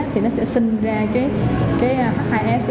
thì nó sẽ sinh ra cái h hai s